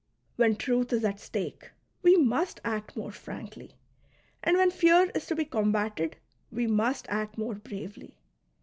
^ When truth is at stake, we must act more frankly ; and Avhen fear is to be combated, we must act more bravely.